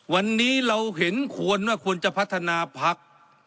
วันนี้เราเห็นควรว่าควรจะพัฒนาพัก